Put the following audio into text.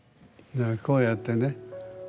こうやってね。